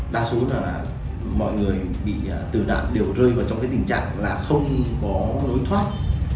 đa số là mọi người bị tử nạn đều rơi vào trong cái tình trạng là không có nối thoát